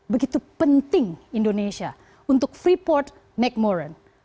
begitu penting indonesia untuk freeport mcmoran